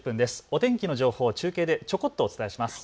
お天気の情報を中継でちょこっとお伝えします。